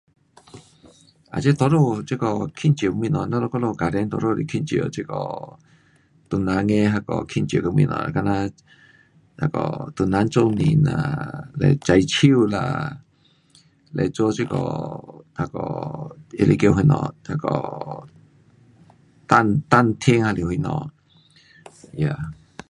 um 这多数这个庆祝的东西，咱们我们家庭多数是庆祝这个唐人的那个庆祝的东西，好像那个唐人做年啊，嘞中秋啦，嘞做这个那个那是叫什么？那个丹丹听是什么